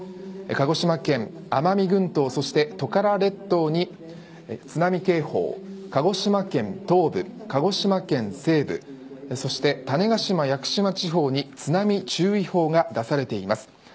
鹿児島県、奄美群島そしてトカラ列島に津波警報、鹿児島県東部鹿児島県西部そして種子島、屋久島地方に津波注意報が出されています。